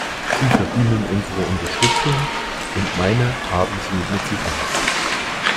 Sie verdienen unsere Unterstützung, und meine haben sie mit Sicherheit.